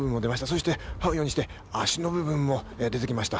そしてはうようにして、足の部分も出てきました。